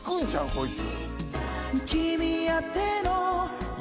こいつ。